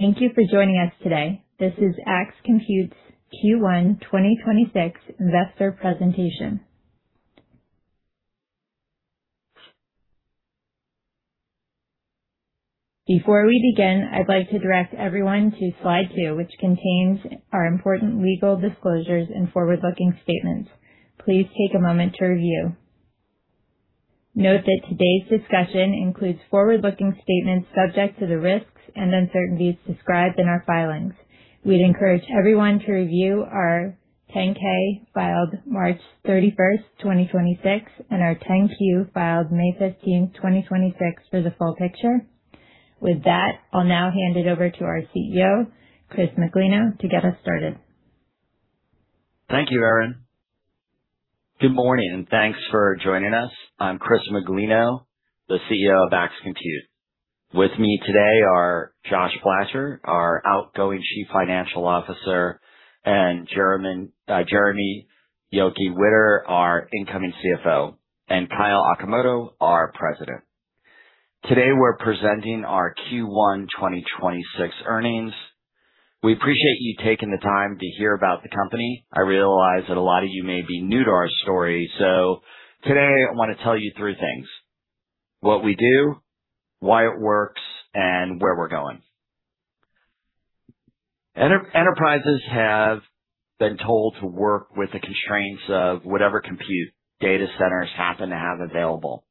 Thank you for joining us today. This is Axe Compute's Q1 2026 investor presentation. Before we begin, I'd like to direct everyone to slide two, which contains our important legal disclosures and forward-looking statements. Please take a moment to review. Note that today's discussion includes forward-looking statements subject to the risks and uncertainties described in our filings. We'd encourage everyone to review our 10-K filed March 31st, 2026, and our 10-Q filed May 15t, 2026, for the full picture. With that, I'll now hand it over to our CEO, Chris Miglino, to get us started. Thank you, Erin. Good morning, and thanks for joining us. I'm Chris Miglino, the CEO of Axe Compute. With me today are Josh Blacher, our outgoing Chief Financial Officer, and Jeremy Yaukey-Witter, our incoming CFO, and Kyle Okamoto, our President. Today, we're presenting our Q1 2026 earnings. We appreciate you taking the time to hear about the company. I realize that a lot of you may be new to our story, so today I want to tell you three things: what we do, why it works, and where we're going. Enterprises have been told to work with the constraints of whatever compute data centers happen to have available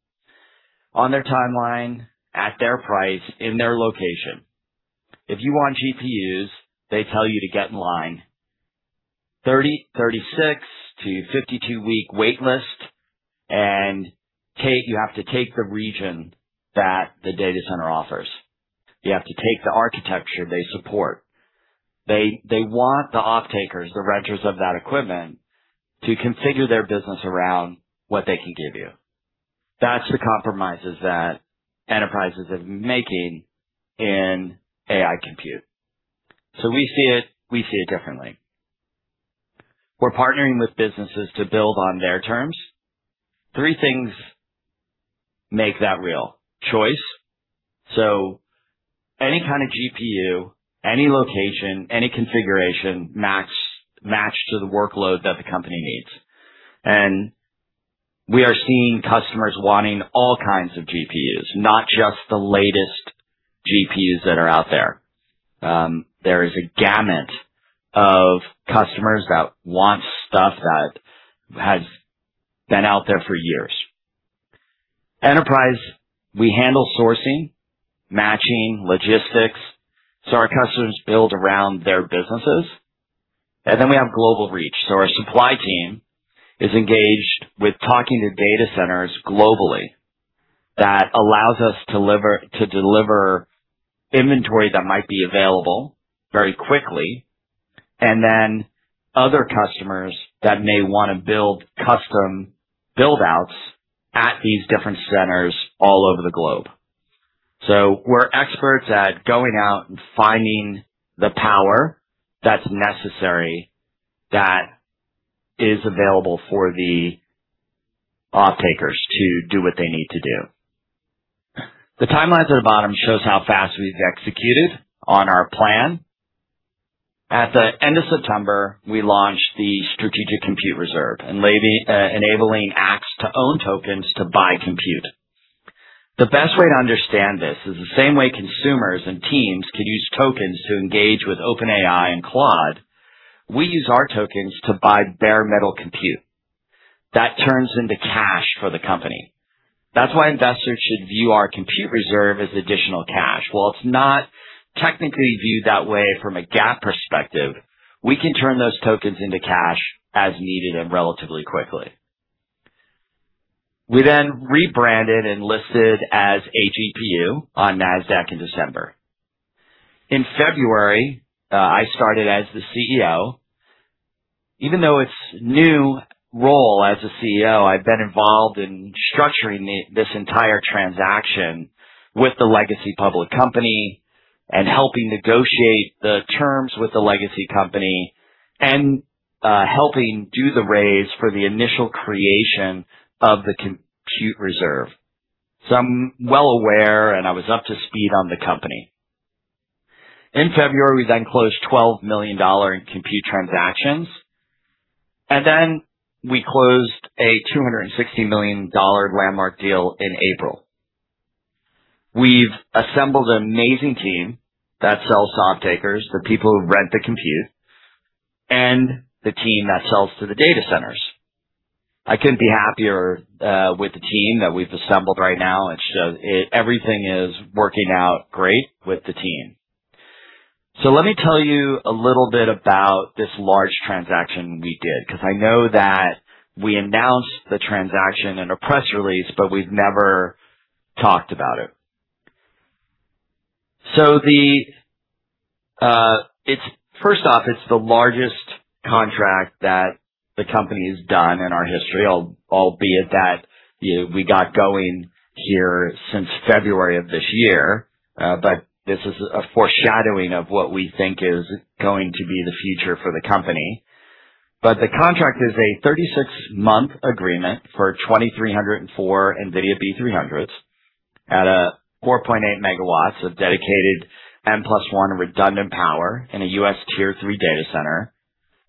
on their timeline, at their price, in their location. If you want GPUs, they tell you to get in line. 30, 36 to 52 week wait list and you have to take the region that the data center offers. You have to take the architecture they support. They want the off-takers, the renters of that equipment, to configure their business around what they can give you. That's the compromises that enterprises have been making in AI compute. We see it differently. We're partnering with businesses to build on their terms. Three things make that real. Choice. Any kind of GPU, any location, any configuration match, matched to the workload that the company needs. We are seeing customers wanting all kinds of GPUs, not just the latest GPUs that are out there. There is a gamut of customers that want stuff that has been out there for years. Enterprise, we handle sourcing, matching, logistics, our customers build around their businesses. We have global reach. Our supply team is engaged with talking to data centers globally that allows us to deliver inventory that might be available very quickly, and then other customers that may wanna build custom build-outs at these different centers all over the globe. We're experts at going out and finding the power that's necessary, that is available for the off-takers to do what they need to do. The timelines at the bottom shows how fast we've executed on our plan. At the end of September, we launched the strategic compute reserve and enabling Axe to own tokens to buy compute. The best way to understand this is the same way consumers and teams can use tokens to engage with OpenAI and Claude, we use our tokens to buy bare metal compute. That turns into cash for the company. That's why investors should view our compute reserve as additional cash. While it's not technically viewed that way from a GAAP perspective, we can turn those tokens into cash as needed and relatively quickly. We then rebranded and listed as AGPU on Nasdaq in December. In February, I started as the CEO. Even though it's new role as a CEO, I've been involved in structuring this entire transaction with the legacy public company and helping negotiate the terms with the legacy company and helping do the raise for the initial creation of the compute reserve. I'm well aware, and I was up to speed on the company. In February, we then closed $12 million in compute transactions, and then we closed a $260 million landmark deal in April. We've assembled an amazing team that sells to off-takers, the people who rent the compute, and the team that sells to the data centers. I couldn't be happier with the team that we've assembled right now. Everything is working out great with the team. Let me tell you a little bit about this large transaction we did, because I know that we announced the transaction in a press release, but we've never talked about it. First off, it's the largest contract that the company has done in our history, albeit that, you know, we got going here since February of this year. This is a foreshadowing of what we think is going to be the future for the company. The contract is a 36 month agreement for 2,304 NVIDIA B300s at 4.8 MW of dedicated N+1 redundant power in a U.S. Tier III data center.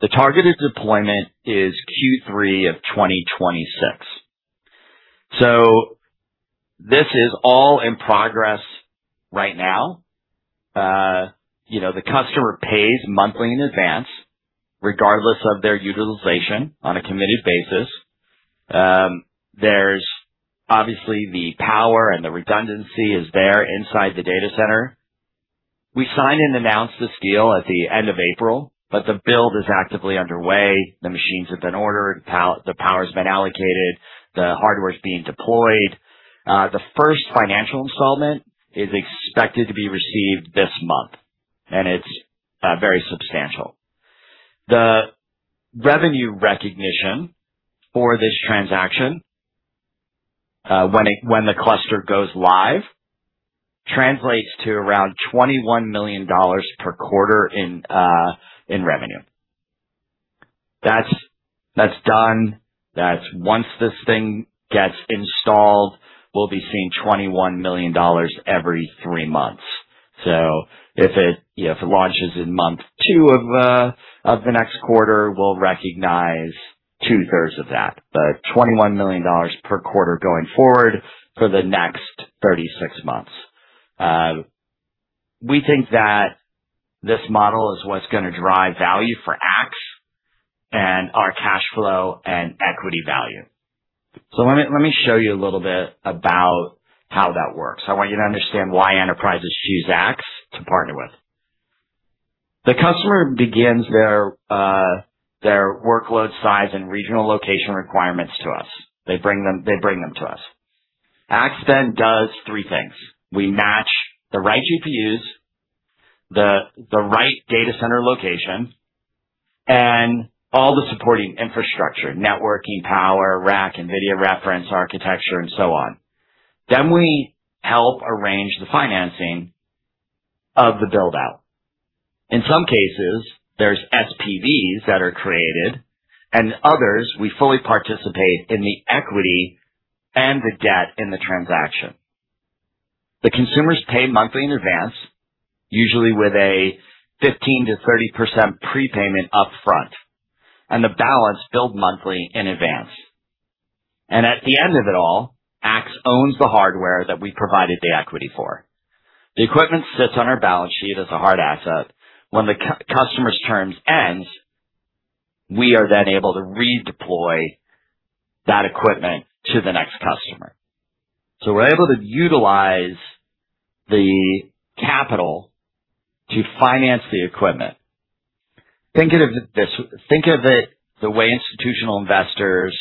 The targeted deployment is Q3 of 2026. This is all in progress right now. You know, the customer pays monthly in advance regardless of their utilization on a committed basis. There's obviously the power and the redundancy is there inside the data center. We signed and announced this deal at the end of April. The build is actively underway. The machines have been ordered, the power's been allocated, the hardware is being deployed. The first financial installment is expected to be received this month, and it's very substantial. The revenue recognition for this transaction, when the cluster goes live, translates to around $21 million per quarter in revenue. That's done. That's once this thing gets installed, we'll be seeing $21 million every three months. If it, you know, if it launches in month two of the next quarter, we'll recognize two-thirds of that, but $21 million per quarter going forward for the next 36 months. We think that this model is what's gonna drive value for Axe and our cash flow and equity value. Let me show you a little bit about how that works. I want you to understand why enterprises choose Axe to partner with. The customer begins their workload size and regional location requirements to us. They bring them to us. Axe does three things. We match the right GPUs, the right data center location, and all the supporting infrastructure, networking, power, rack, NVIDIA reference architecture, and so on. We help arrange the financing of the build-out. In some cases, there's SPVs that are created, and others we fully participate in the equity and the debt in the transaction. The consumers pay monthly in advance, usually with a 15%-30% prepayment upfront and the balance billed monthly in advance. At the end of it all, Axe owns the hardware that we provided the equity for. The equipment sits on our balance sheet as a hard asset. When the customer's terms ends, we are then able to redeploy that equipment to the next customer. We're able to utilize the capital to finance the equipment. Think of it the way institutional investors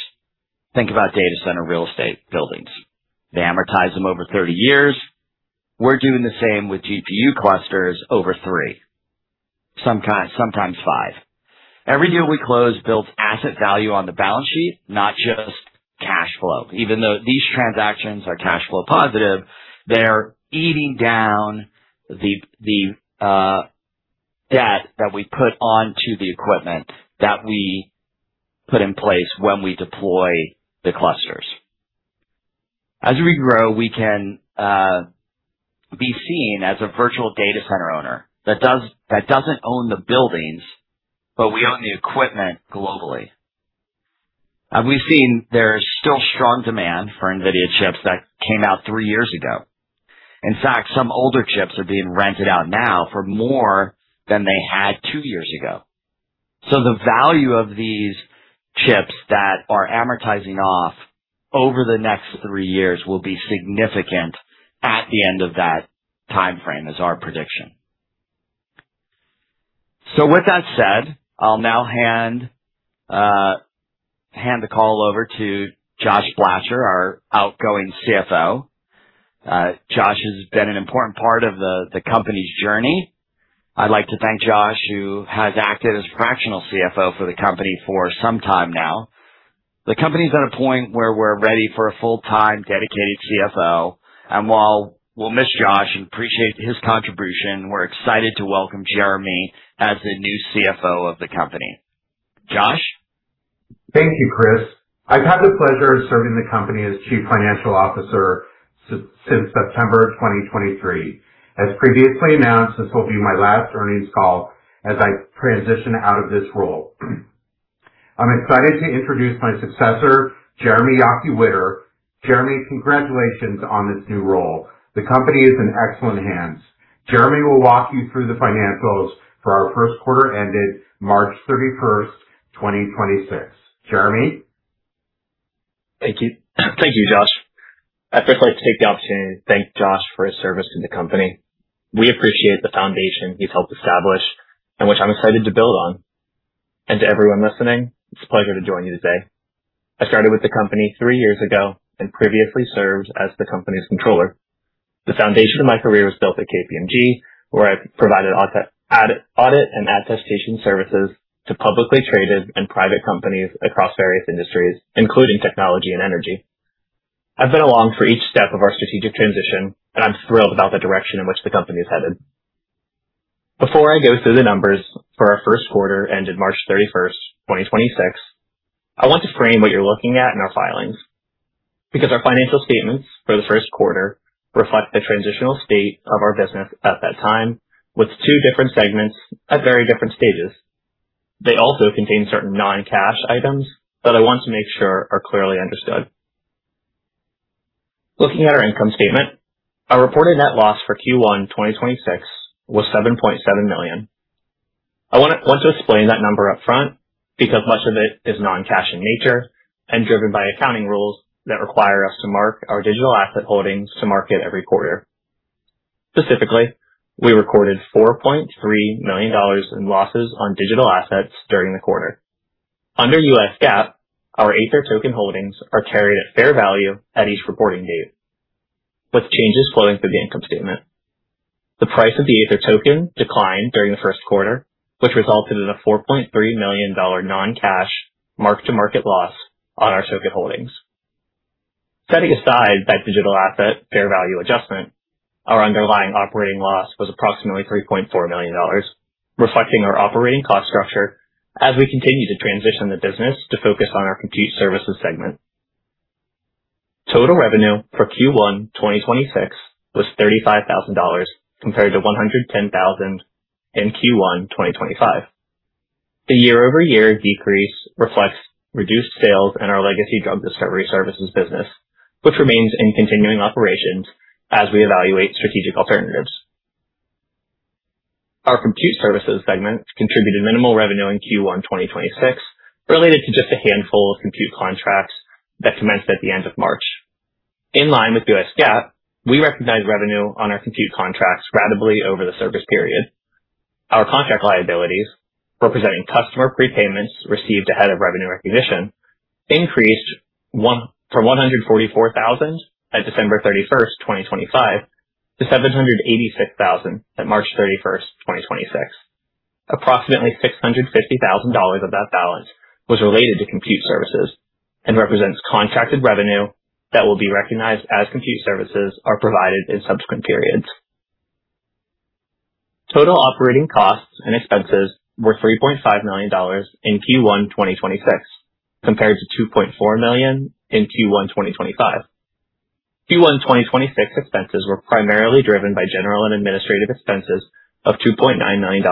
think about data center real estate buildings. They amortize them over 30 years. We're doing the same with GPU clusters over three, sometimes even five. Every deal we close builds asset value on the balance sheet, not just cash flow. Even though these transactions are cash flow positive, they're eating down the debt that we put onto the equipment that we put in place when we deploy the clusters. As we grow, we can be seen as a virtual data center owner that doesn't own the buildings, but we own the equipment globally. And we've seen there is still strong demand for NVIDIA chips that came out three years ago. In fact, some older chips are being rented out now for more than they had two years ago. The value of these chips that are amortizing off over the next three years will be significant at the end of that timeframe, is our prediction. With that said, I'll now hand the call over to Josh Blacher, our outgoing CFO. Josh has been an important part of the company's journey. I'd like to thank Josh, who has acted as fractional CFO for the company for some time now. The company's at a point where we're ready for a full-time dedicated CFO. While we'll miss Josh and appreciate his contribution, we're excited to welcome Jeremy as the new CFO of the company. Josh. Thank you, Chris. I've had the pleasure of serving the company as Chief Financial Officer since September 2023. As previously announced, this will be my last earnings call as I transition out of this role. I'm excited to introduce my successor, Jeremy Yaukey-Witter. Jeremy, congratulations on this new role. The company is in excellent hands. Jeremy will walk you through the financials for our first quarter ended March 31st, 2026. Jeremy. Thank you. Thank you, Josh. I'd first like to take the opportunity to thank Josh for his service to the company. We appreciate the foundation he's helped establish and which I'm excited to build on. To everyone listening, it's a pleasure to join you today. I started with the company three years ago and previously served as the company's controller. The foundation of my career was built at KPMG, where I provided audit and attestation services to publicly traded and private companies across various industries, including technology and energy. I've been along for each step of our strategic transition, and I'm thrilled about the direction in which the company is headed. Before I go through the numbers for our first quarter ended March 31st, 2026, I want to frame what you're looking at in our filings because our financial statements for the first quarter reflect the transitional state of our business at that time with two different segments at very different stages. They also contain certain non-cash items that I want to make sure are clearly understood. Looking at our income statement, our reported net loss for Q1, 2026 was $7.7 million. I want to explain that number up front because much of it is non-cash in nature and driven by accounting rules that require us to mark our digital asset holdings to market every quarter. Specifically, we recorded $4.3 million in losses on digital assets during the quarter. Under U.S. GAAP, our Aethir token holdings are carried at fair value at each reporting date, with changes flowing through the income statement. The price of the Aethir token declined during the first quarter, which resulted in a $4.3 million non-cash mark-to-market loss on our token holdings. Setting aside that digital asset fair value adjustment, our underlying operating loss was approximately $3.4 million, reflecting our operating cost structure as we continue to transition the business to focus on our compute services segment. Total revenue for Q1 2026 was $35,000 compared to $110,000 in Q1 2025. The year-over-year decrease reflects reduced sales in our legacy drug discovery services business, which remains in continuing operations as we evaluate strategic alternatives. Our compute services segment contributed minimal revenue in Q1 2026 related to just a handful of compute contracts that commenced at the end of March. In line with U.S. GAAP, we recognized revenue on our compute contracts ratably over the service period. Our contract liabilities, representing customer prepayments received ahead of revenue recognition, increased from $144,000 at December 31, 2025 to $786,000 at March 31, 2026. Approximately $650,000 of that balance was related to compute services and represents contracted revenue that will be recognized as compute services are provided in subsequent periods. Total operating costs and expenses were $3.5 million in Q1 2026 compared to $2.4 million in Q1 2025. Q1 2026 expenses were primarily driven by general and administrative expenses of $2.9 million,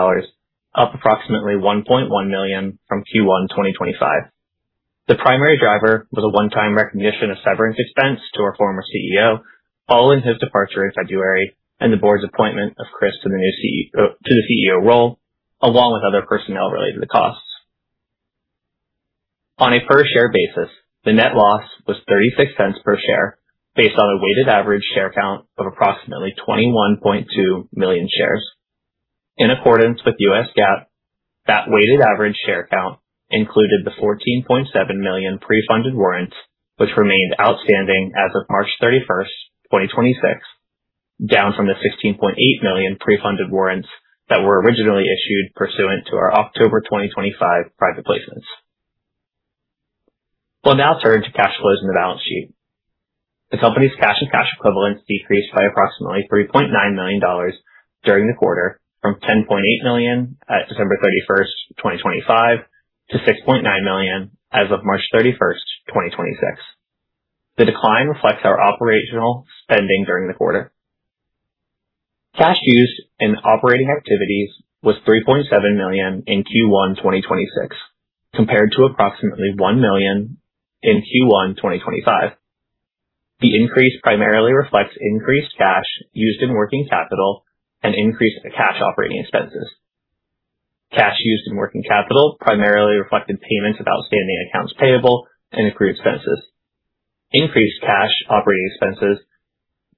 up approximately $1.1 million from Q1 2025. The primary driver was a one-time recognition of severance expense to our former CEO following his departure in February and the board's appointment of Chris to the CEO role, along with other personnel-related costs. On a per-share basis, the net loss was $0.36 per share based on a weighted average share count of approximately 21.2 million shares. In accordance with U.S. GAAP, that weighted average share count included the 14.7 million pre-funded warrants which remained outstanding as of March 31, 2026, down from the 16.8 million pre-funded warrants that were originally issued pursuant to our October 2025 private placements. We'll now turn to cash flows in the balance sheet. The company's cash and cash equivalents decreased by approximately $3.9 million during the quarter from $10.8 million at December 31, 2025 to $6.9 million as of March 31st, 2026. The decline reflects our operational spending during the quarter. Cash used in operating activities was $3.7 million in Q1 2026 compared to approximately $1 million in Q1 2025. The increase primarily reflects increased cash used in working capital and increase in cash operating expenses. Cash used in working capital primarily reflected payment of outstanding accounts payable and accrued expenses. Increased cash operating expenses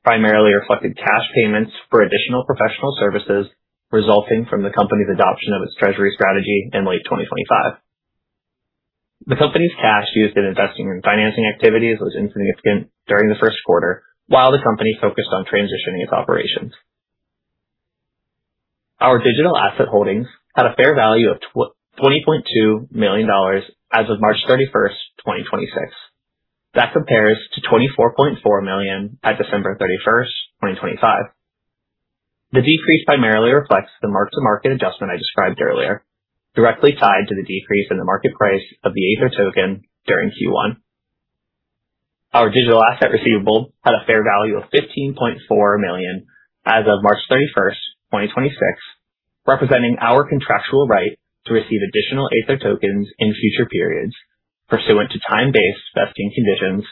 primarily reflected cash payments for additional professional services resulting from the company's adoption of its treasury strategy in late 2025. The company's cash used in investing and financing activities was insignificant during the first quarter while the company focused on transitioning its operations. Our digital asset holdings had a fair value of $20.2 million as of March 31st, 2026. That compares to $24.4 million at December 31st, 2025. The decrease primarily reflects the mark-to-market adjustment I described earlier, directly tied to the decrease in the market price of the Aethir token during Q1. Our digital asset receivable had a fair value of $15.4 million as of March 31st, 2026, representing our contractual right to receive additional Aethir tokens in future periods pursuant to time-based vesting conditions,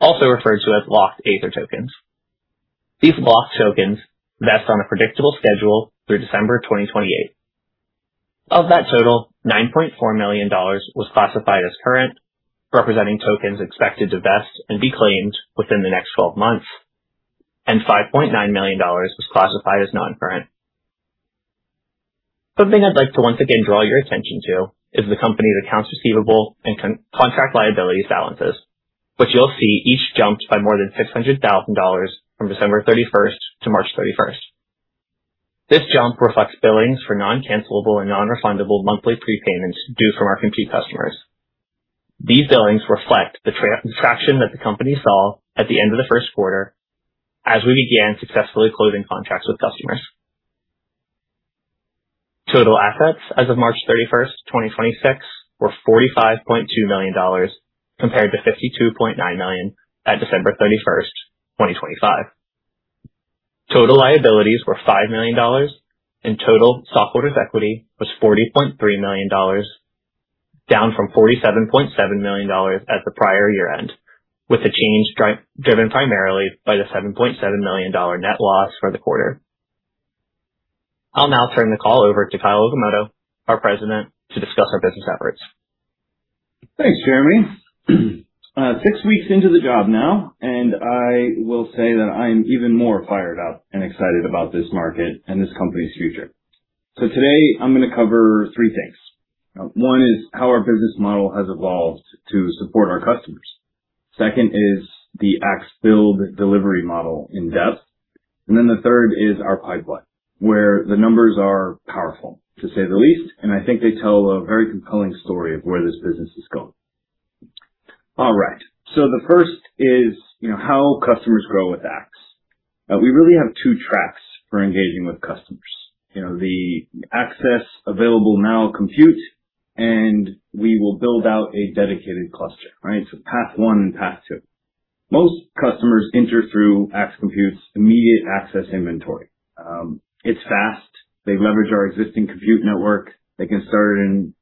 also referred to as locked Aethir tokens. These locked tokens vest on a predictable schedule through December 2028. Of that total, $9.4 million was classified as current, representing tokens expected to vest and be claimed within the next 12 months, and $5.9 million was classified as non-current. Something I'd like to once again draw your attention to is the company's accounts receivable and contract liability balances, which you'll see each jumped by more than $600,000 from December 31st to March 31st. This jump reflects billings for non-cancellable and non-refundable monthly prepayments due from our compute customers. These billings reflect the traction that the company saw at the end of the first quarter as we began successfully closing contracts with customers. Total assets as of March 31st, 2026 were $45.2 million compared to $52.9 million at December 31st, 2025. Total liabilities were $5 million and total stockholders' equity was $40.3 million, down from $47.7 million at the prior year-end, with the change driven primarily by the $7.7 million net loss for the quarter. I'll now turn the call over to Kyle Okamoto, our president, to discuss our business efforts. Thanks, Jeremy. six weeks into the job now, I will say that I am even more fired up and excited about this market and this company's future. Today I'm going to cover three things. One is how our business model has evolved to support our customers. Second is the Axe Build delivery model in depth. The third is our pipeline, where the numbers are powerful, to say the least, I think they tell a very compelling story of where this business is going. All right. The first is, you know, how customers grow with Axe. We really have two tracks for engaging with customers. You know, the access available now compute, we will build out a dedicated cluster. Right? Path one and path two. Most customers enter through Axe Compute's immediate access inventory. It's fast. They leverage our existing compute network. They can start in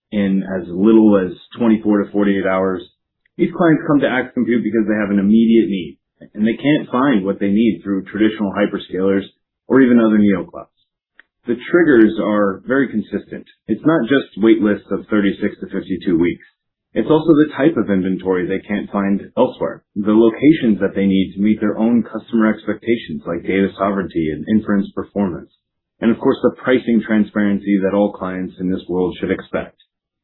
as little as 24-48 hours. These clients come to Axe Compute because they have an immediate need, and they can't find what they need through traditional hyperscalers or even other neo clouds. The triggers are very consistent. It's not just wait lists of 36-52 weeks. It's also the type of inventory they can't find elsewhere, the locations that they need to meet their own customer expectations like data sovereignty and inference performance, and of course, the pricing transparency that all clients in this world should expect,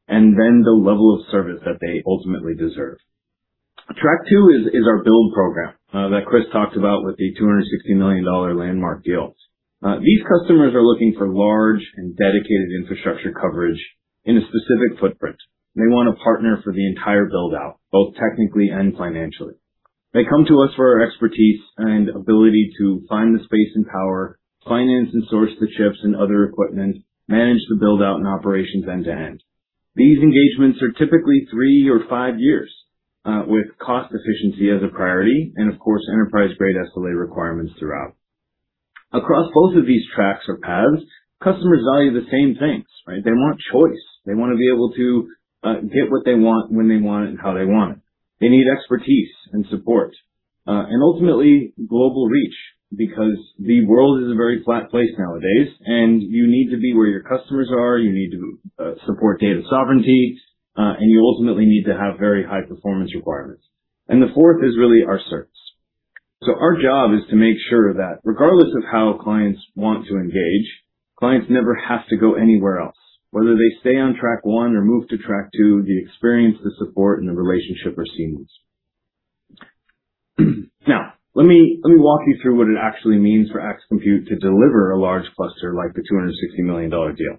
and then the level of service that they ultimately deserve. Track 2 is our build program that Chris talked about with the $260 million landmark deal. These customers are looking for large and dedicated infrastructure coverage in a specific footprint. They want to partner for the entire build-out, both technically and financially. They come to us for our expertise and ability to find the space and power, finance and source the chips and other equipment, manage the build-out and operations end to end. These engagements are typically three or five years, with cost efficiency as a priority and of course enterprise-grade SLA requirements throughout. Across both of these tracks or paths, customers value the same things, right? They want choice. They want to be able to get what they want, when they want it and how they want it. They need expertise and support, and ultimately global reach because the world is a very flat place nowadays and you need to be where your customers are, you need to support data sovereignty, and you ultimately need to have very high performance requirements. The fourth is really our service. Our job is to make sure that regardless of how clients want to engage, clients never have to go anywhere else. Whether they stay on track one or move to track two, the experience, the support and the relationship are seamless. Now, let me walk you through what it actually means for Axe Compute to deliver a large cluster like the $260 million deal.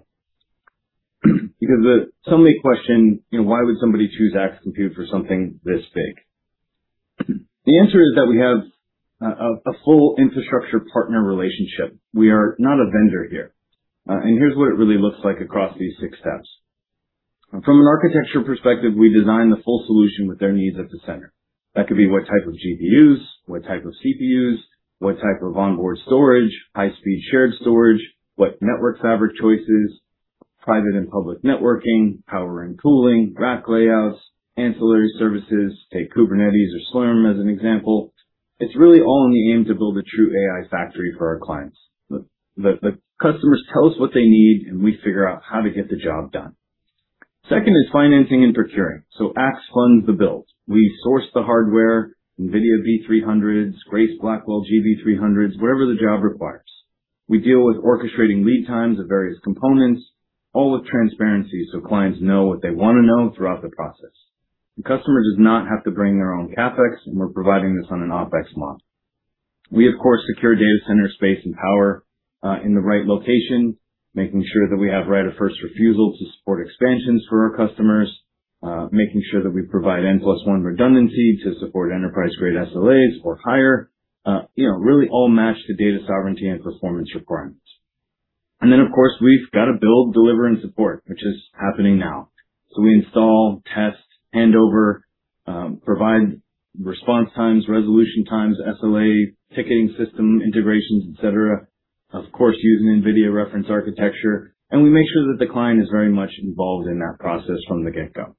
Some may question, you know, why would somebody choose Axe Compute for something this big? The answer is that we have a full infrastructure partner relationship. We are not a vendor here. Here's what it really looks like across these six steps. From an architecture perspective, we design the full solution with their needs at the center. That could be what type of GPUs, what type of CPUs, what type of onboard storage, high-speed shared storage, what network fabric choices, private and public networking, power and cooling, rack layouts, ancillary services, take Kubernetes or Slurm as an example. It's really all in the aim to build a true AI factory for our clients. The customers tell us what they need, we figure out how to get the job done. Second is financing and procuring. Axe funds the build. We source the hardware, NVIDIA B300s, Grace Blackwell GB300s, whatever the job requires. We deal with orchestrating lead times of various components, all with transparency so clients know what they want to know throughout the process. The customer does not have to bring their own CapEx, we're providing this on an OpEx model. We of course secure data center space and power in the right location, making sure that we have right of first refusal to support expansions for our customers, making sure that we provide N+1 redundancy to support enterprise-grade SLAs or higher. You know, really all match the data sovereignty and performance requirements. Of course, we've got to build, deliver and support, which is happening now. We install, test, hand over, provide response times, resolution times, SLA, ticketing system integrations, et cetera. Of course, using NVIDIA reference architecture, we make sure that the client is very much involved in that process from the get-go.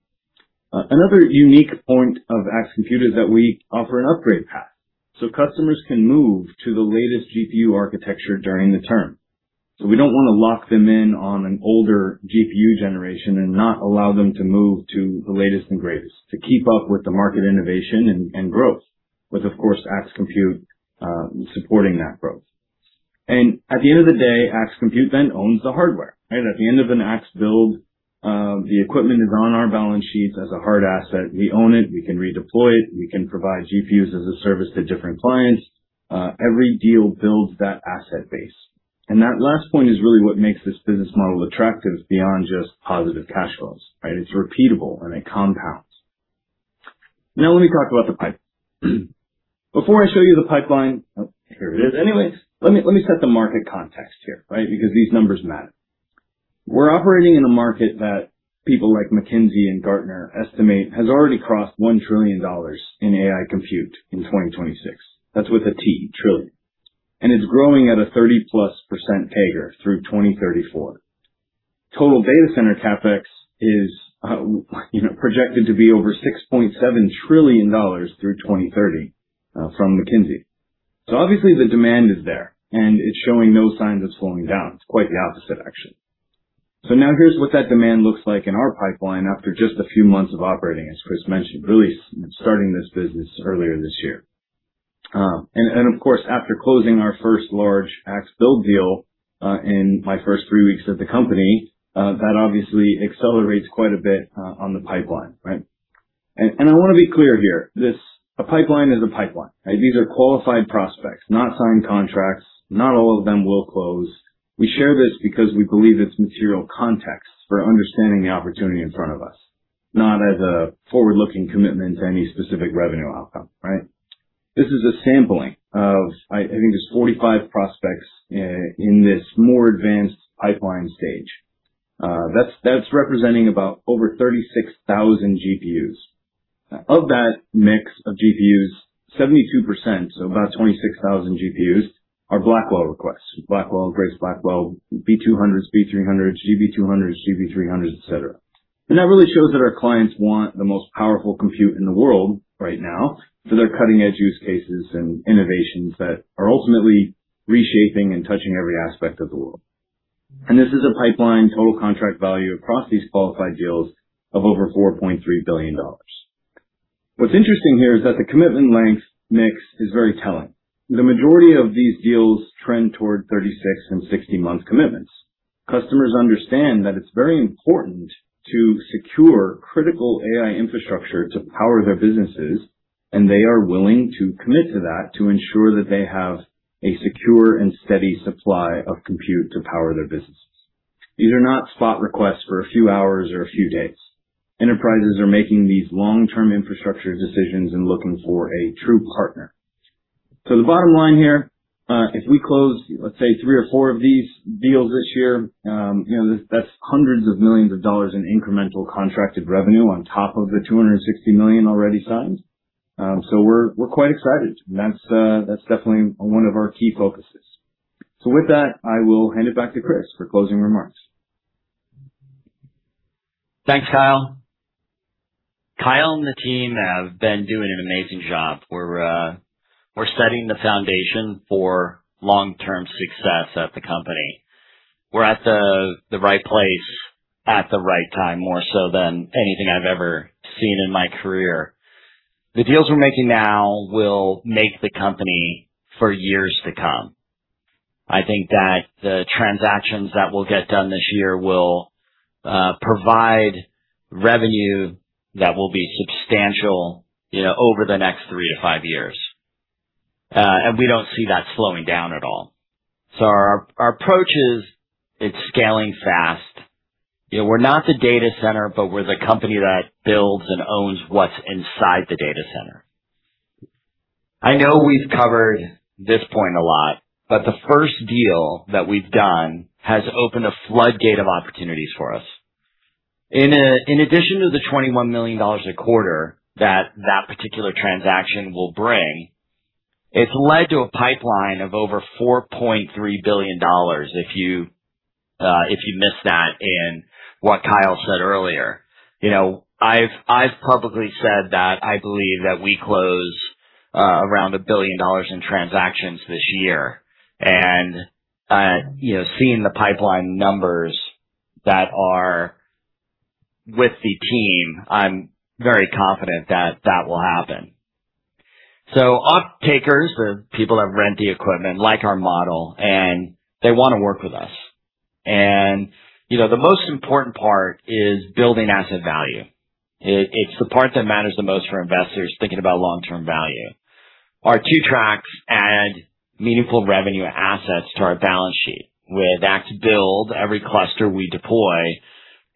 Another unique point of Axe Compute is that we offer an upgrade path, customers can move to the latest GPU architecture during the term. We don't want to lock them in on an older GPU generation and not allow them to move to the latest and greatest, to keep up with the market innovation and growth. With of course, Axe Compute supporting that growth. At the end of the day, Axe Compute then owns the hardware. Right? At the end of an Axe Build, the equipment is on our balance sheets as a hard asset. We own it, we can redeploy it, we can provide GPUs as a service to different clients. Every deal builds that asset base. That last point is really what makes this business model attractive beyond just positive cash flows, right? It's repeatable and it compounds. Let me talk about the pipe. Before I show you the pipeline. Oh, here it is. Let me set the market context here, right? Because these numbers matter. We're operating in a market that people like McKinsey and Gartner estimate has already crossed $1 trillion in AI compute in 2026. That's with a T, trillion. It's growing at a 30%+ CAGR through 2034. Total data center CapEx is, you know, projected to be over $6.7 trillion through 2030, from McKinsey. Obviously the demand is there and it's showing no signs of slowing down. It's quite the opposite actually. Now here's what that demand looks like in our pipeline after just a few months of operating, as Chris mentioned, really starting this business earlier this year. And of course, after closing our first large Axe Build deal, in my first three weeks at the company, that obviously accelerates quite a bit on the pipeline, right? I want to be clear here, this, a pipeline is a pipeline, right? These are qualified prospects, not signed contracts. Not all of them will close. We share this because we believe it's material context for understanding the opportunity in front of us, not as a forward-looking commitment to any specific revenue outcome, right? This is a sampling of, I think there's 45 prospects in this more advanced pipeline stage. That's representing about over 36,000 GPUs. Of that mix of GPUs, 72%, so about 26,000 GPUs are Blackwell requests. Blackwell, Grace Blackwell, B200s, B300s, GB200s, GB300s, et cetera. That really shows that our clients want the most powerful compute in the world right now for their cutting-edge use cases and innovations that are ultimately reshaping and touching every aspect of the world. This is a pipeline total contract value across these qualified deals of over $4.3 billion. What's interesting here is that the commitment length mix is very telling. The majority of these deals trend toward 36 and 60-month commitments. Customers understand that it's very important to secure critical AI infrastructure to power their businesses, and they are willing to commit to that to ensure that they have a secure and steady supply of compute to power their businesses. These are not spot requests for a few hours or a few days. Enterprises are making these long-term infrastructure decisions and looking for a true partner. The bottom line here, if we close, let's say, three or four of these deals this year, you know, that's $hundreds of millions in incremental contracted revenue on top of the $260 million already signed. We're quite excited. That's definitely one of our key focuses. With that, I will hand it back to Chris for closing remarks. Thanks, Kyle. Kyle and the team have been doing an amazing job. We're, we're setting the foundation for long-term success at the company. We're at the right place at the right time, more so than anything I've ever seen in my career. The deals we're making now will make the company for years to come. I think that the transactions that will get done this year will provide revenue that will be substantial, you know, over the next three to five years. We don't see that slowing down at all. Our, our approach is, it's scaling fast. You know, we're not the data center, but we're the company that builds and owns what's inside the data center. I know we've covered this point a lot, but the first deal that we've done has opened a floodgate of opportunities for us. In addition to the $21 million a quarter that that particular transaction will bring, it's led to a pipeline of over $4.3 billion, if you missed that in what Kyle said earlier. You know, I've publicly said that I believe that we close around $1 billion in transactions this year. You know, seeing the pipeline numbers that are with the team, I'm very confident that that will happen. Off-takers or people that rent the equipment like our model, and they wanna work with us. You know, the most important part is building asset value. It's the part that matters the most for investors thinking about long-term value. Our two tracks add meaningful revenue assets to our balance sheet. With Axe Build, every cluster we deploy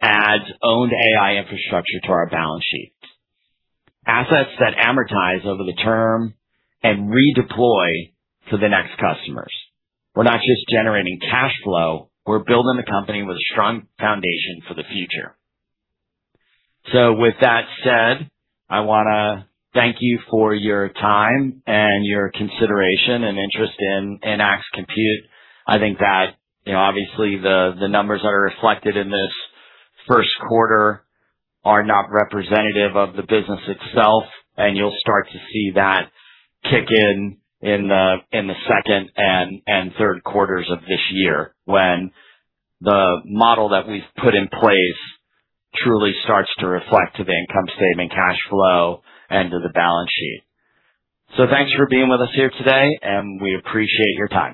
adds owned AI infrastructure to our balance sheets. Assets that amortize over the term and redeploy to the next customers. We're not just generating cash flow, we're building a company with a strong foundation for the future. With that said, I wanna thank you for your time and your consideration and interest in Axe Compute. I think that, you know, obviously the numbers that are reflected in this first quarter are not representative of the business itself, and you'll start to see that kick in the second and third quarters of this year when the model that we've put in place truly starts to reflect to the income statement, cash flow and to the balance sheet. Thanks for being with us here today, and we appreciate your time.